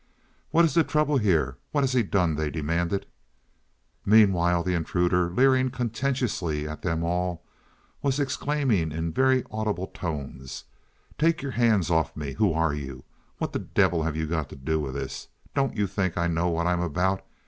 "What is the trouble here? What has he done?" they demanded. Meanwhile the intruder, leering contentiously at them all, was exclaiming in very audible tones: "Take your hands off. Who are you? What the devil have you got to do with this? Don't you think I know what I'm about?